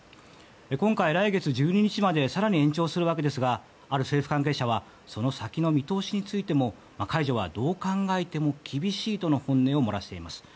今回、来月１２日まで更に延長するわけですがある政府関係者はその先の見通しについても解除はどう考えても厳しいとの本音を漏らしています。